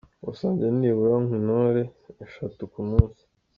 Gusa njye nibura nywa intore eshatu ku munsi.